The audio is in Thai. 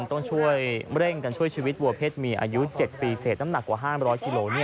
ต้องช่วยเร่งกันช่วยชีวิตวัวเพศเมียอายุ๗ปีเศษน้ำหนักกว่า๕๐๐กิโล